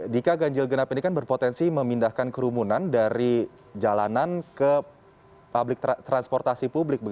dika ganjil genap ini kan berpotensi memindahkan kerumunan dari jalanan ke publik transportasi publik